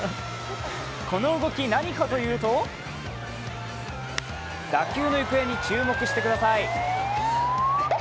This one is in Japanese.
この動き、何かというと打球の行方に注目してください。